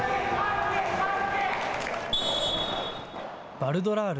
バルドラール